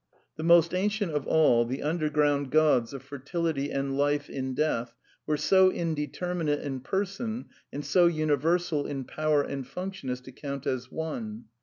The most ancient of all, the underground gods of fertility and life in death, were so indeterminate in person, and so universal in power and function, as to count as one.